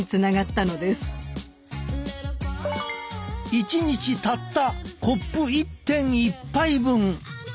１日たったコップ１．１杯分！